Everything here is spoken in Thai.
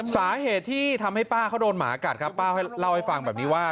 สาเหตุที่ทำให้ป้าเขาโดนหมากัดครับป้าเล่าให้ฟังแบบนี้ว่า